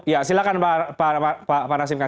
ya silahkan pak rasim khan